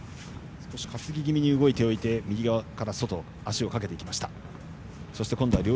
少し担ぎ気味に動いて右側から外に足をかけていきました。